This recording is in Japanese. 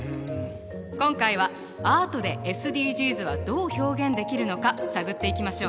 今回はアートでＳＤＧｓはどう表現できるのか探っていきましょう。